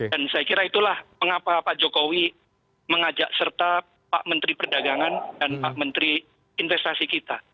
dan saya kira itulah mengapa pak jokowi mengajak serta pak menteri perdagangan dan pak menteri investasi kita